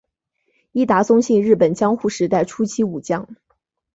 伊达宗信日本江户时代初期武将。